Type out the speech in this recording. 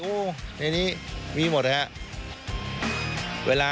อันนี้มีหมดแล้ว